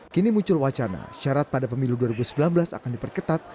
kini muncul wacana syarat pada pemilu dua ribu sembilan belas akan diperketat